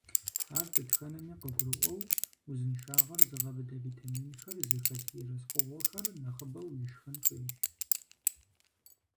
Ар дэтхэнэми къыгурыӏуэу, узыншагъэр зыгъэбыдэ витаминхэр зыхэлъ ерыскъыгъуэхэр нэхъыбэу ишхын хуейщ.